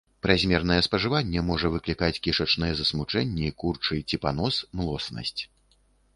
Празмернае спажыванне можа выклікаць кішачныя засмучэнні, курчы ці панос, млоснасць.